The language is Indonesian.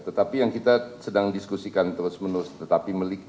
tetapi yang kita sedang diskusikan terus menerus tetapi memiliki sedikit